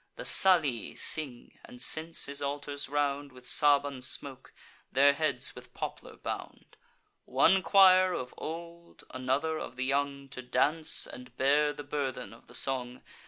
The Salii sing, and cense his altars round With Saban smoke, their heads with poplar bound One choir of old, another of the young, To dance, and bear the burthen of the song.